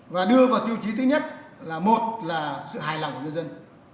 và đưa vào tiêu chí thứ nhất là một là sự hài lòng của nhân dân